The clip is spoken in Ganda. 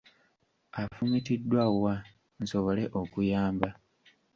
Afumitiddwa wa nsobole okuyamba?